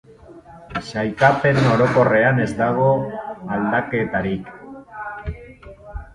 Sailkapen orokorrean ez dago aldaketarik.